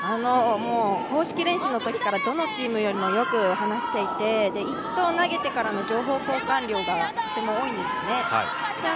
公式練習のときからどのチームよりもよく話していて１投投げてからの情報交換量がとても多いんですね。